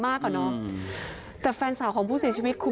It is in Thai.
ไปหาลูกก่อน